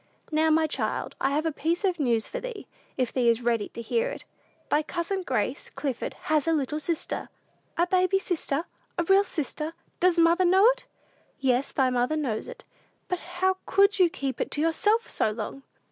"Now, my child, I have a piece of news for thee, if thee is ready to hear it: thy cousin, Grace Clifford, has a little sister." "A baby sister? A real sister? Does mother know it?" "Yes, thy mother knows it." "But how could you keep it to yourself so long?"